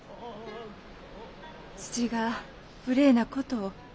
父が無礼なことを。